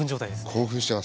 興奮してます